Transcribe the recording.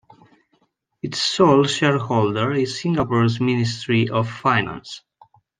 Its sole shareholder is Singapore's Ministry of Finance.